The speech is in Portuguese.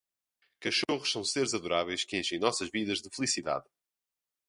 Cachorros são seres adoráveis que enchem nossas vidas de felicidade.